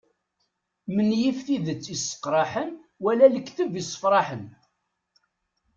Menyif tidet isseqraḥen wala lekteb issefraḥen.